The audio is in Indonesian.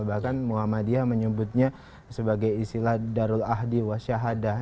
bahkan muhammadiyah menyebutnya sebagai isilah darul ahdi wa syahadah